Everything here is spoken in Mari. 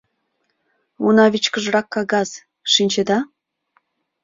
Уна вичкыжрак кагаз — шинчеда?